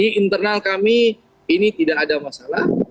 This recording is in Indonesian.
di internal kami ini tidak ada masalah